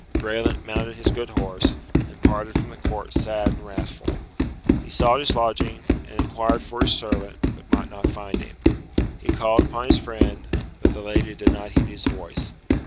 Graelent mounted his good horse, and parted from the Court sad and wrathful. He sought his lodging, and inquired for his servant, but might not find him. He called upon his friend, but the lady did not heed his voice.